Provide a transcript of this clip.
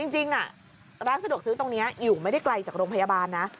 จริงร้านสะดวกซื้อตรงนี้อยู่ไม่ได้ไกลจากโรงพยาบาลนะ